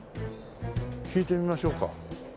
聞いてみましょうか。